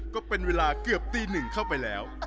ก็เป็นเวลาเกือบตีหนึ่งเข้าไปแล้ว